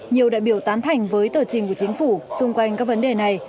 nhiều đại biểu tán thành với tờ trình của chính phủ xung quanh các vấn đề này